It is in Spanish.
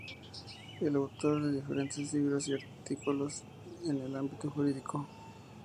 Es autor de diferentes libros y artículos en el ámbito jurídico.